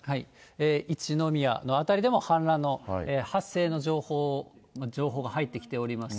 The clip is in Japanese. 一宮の辺りでも氾濫の発生の情報、情報が入ってきております。